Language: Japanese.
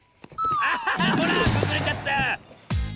あほらくずれちゃった！